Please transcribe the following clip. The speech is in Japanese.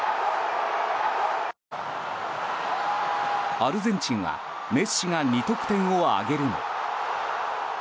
アルゼンチンはメッシが２得点を挙げるも。